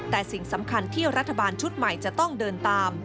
แต่สิ่งสำคัญที่รัฐบาลชุดใหม่จะต้องเดินตาม